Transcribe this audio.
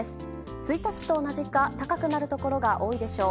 １日と同じか高くなるところが多いでしょう。